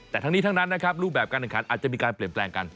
แต่ทั้งนี้ทั้งนั้นนะครับรูปแบบการแข่งขันอาจจะมีการเปลี่ยนแปลงกัน